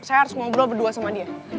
saya harus ngobrol berdua sama dia